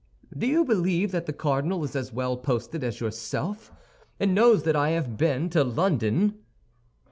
"Do you believe that the cardinal is as well posted as yourself, and knows that I have been to London?"